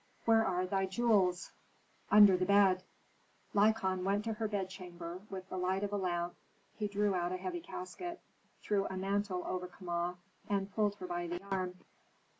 "Where are thy jewels?" "Under the bed." Lykon went to her bedchamber; with the light of a lamp he drew out a heavy casket, threw a mantle over Kama, and pulled her by the arm.